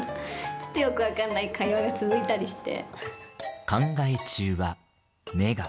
ちょっとよく分かんない会話が続いたりして。